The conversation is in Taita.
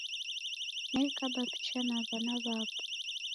Nekaba picha na w'ana w'apo